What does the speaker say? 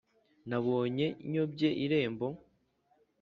nabonye nyobye irembo